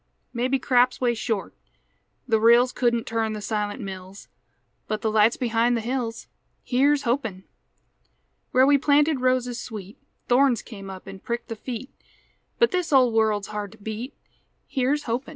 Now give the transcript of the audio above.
Maybe craps way short; the rills Couldn't turn the silent mills; But the light's behind the hills, Here's hopin'! Where we planted roses sweet Thorns come up an' pricked the feet; But this old world's hard to beat, Here's hopin'!